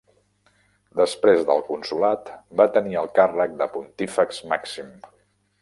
Després del consolat, va tenir el càrrec de Pontífex Màxim.